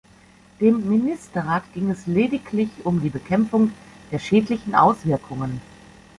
Dem Ministerrat ging es lediglich um die Bekämpfung der schädlichen Auswirkungen.